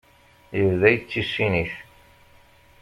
Yebda yettissin-it.